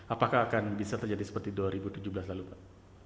apakah akan bisa terjadi seperti dua ribu tujuh belas lalu pak